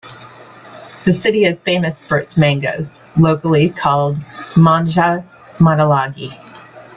The city is famous for its mangoes, locally called "mangga manalagi".